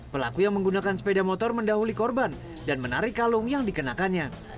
pelaku yang menggunakan sepeda motor mendahuli korban dan menarik kalung yang dikenakannya